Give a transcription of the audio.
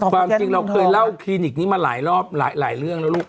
ความจริงเราเคยเล่าคลินิกนี้มาหลายรอบหลายเรื่องแล้วลูก